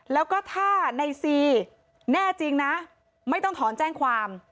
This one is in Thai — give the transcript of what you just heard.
แล้วก็ถ้าในซีแน่จริงนะไม่ต้องถอนแจ้งความ